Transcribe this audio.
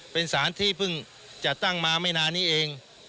เป็นสารที่เพิ่งจัดตั้งมาไม่นานนี้เอง